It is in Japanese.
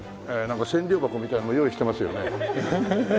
千両箱みたいなのも用意してますよね？